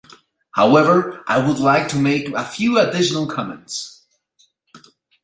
However, I would like to make a few additional comments.